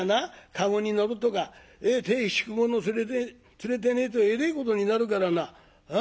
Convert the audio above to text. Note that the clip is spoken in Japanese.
駕籠に乗るとか手引く者連れてねえとえれえことになるからなあ？」。